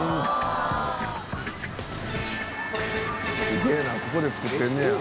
すげえなここで作ってんねや。